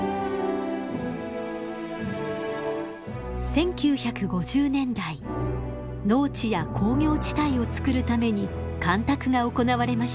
１９５０年代農地や工業地帯を造るために干拓が行われました。